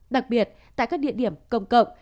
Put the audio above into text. đặc biệt tại các địa điểm công cộng